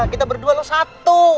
kita berdua lo satu